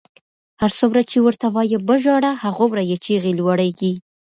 هرڅومره چې ورته وایم مه ژاړه، هغومره یې چیغې لوړېږي.